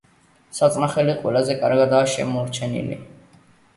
საწნახელი ყველაზე კარგადაა შემორჩენილი.